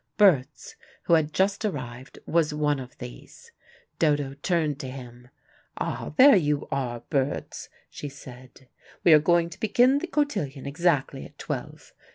Berts, who had just arrived, was one of these. Dodo turned to him. "Ah, there you are, Berts," she said. "We are going to begin the cotillion exactly at twelve.